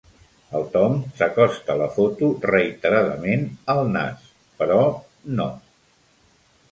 El Tom s'acosta la foto reiteradament al nas, però no.